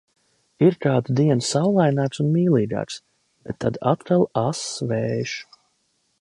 Ir kādu dienu saulaināks un mīlīgāks, bet tad atkal ass vējš.